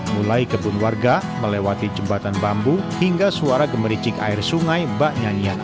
mulai kebun warga melewati jembatan bambu hingga suara gemericik air sungai bak nyanyian